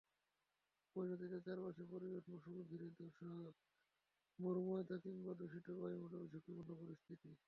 পরিণতিতে চারপাশের পরিবেশ মণ্ডল ঘিরে দুঃসহ মরুময়তা কিংবা দূষিত বায়ুমণ্ডলে ঝুঁকিপূর্ণ পরিস্থিতি।